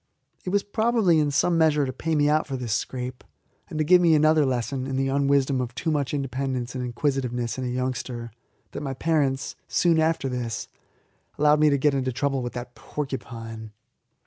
It was probably in some measure to pay me out for this scrape, and to give me another lesson in the unwisdom of too much independence and inquisitiveness in a youngster, that my parents, soon after this, allowed me to get into trouble with that porcupine.